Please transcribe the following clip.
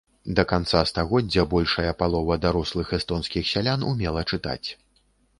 Да канца стагоддзя большая палова дарослых эстонскіх сялян умела чытаць.